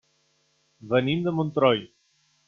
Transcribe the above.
Venim de Montroi.